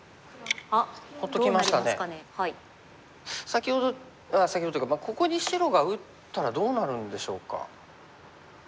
先ほど先ほどというかここに白が打ったらどうなるんでしょうか。